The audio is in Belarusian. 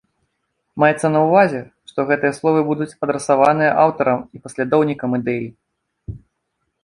Маецца на ўвазе, што гэтыя словы будуць адрасаваныя аўтарам і паслядоўнікам ідэі.